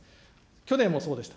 去年もそうでした。